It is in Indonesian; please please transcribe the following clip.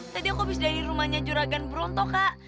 tadi aku habis dari rumahnya juragan bronto kak